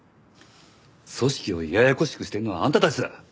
組織をややこしくしてるのはあんたたちだ！